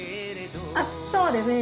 あっそうですね。